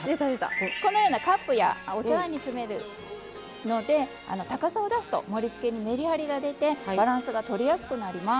このようなカップやお茶わんに詰めるので高さを出すと盛りつけにメリハリが出てバランスがとりやすくなります。